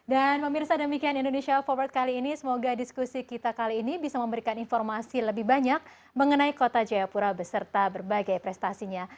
dan pemirsa demikian indonesia forward kali ini semoga diskusi kita kali ini bisa memberikan informasi lebih banyak mengenai kota jayapura beserta berbagai prestasinya